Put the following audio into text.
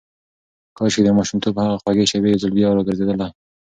کاشکې د ماشومتوب هغه خوږې شېبې یو ځل بیا راګرځېدلای.